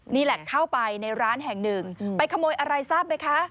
นี่แหละเข้าไปในร้านแห่งหนึ่งไปขโมยอะไรทราบไหมคะ